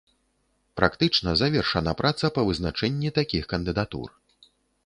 Практычна завершана праца па вызначэнні такіх кандыдатур.